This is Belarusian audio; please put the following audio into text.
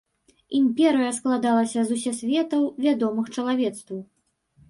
Імперыя складалася з усе светаў, вядомых чалавецтву.